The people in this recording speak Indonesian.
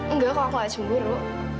enggak aku gak cemburu